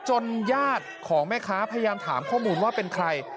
ญาติของแม่ค้าพยายามถามข้อมูลว่าเป็นใคร